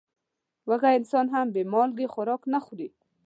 وږی انسان هم بې مالګې خوراک نه خوري.